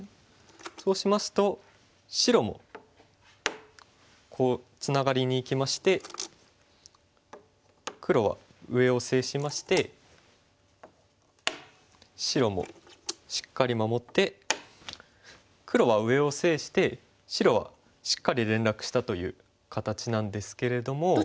そうしますと白もこうツナがりにいきまして黒は上を制しまして白もしっかり守って黒は上を制して白はしっかり連絡したという形なんですけれども。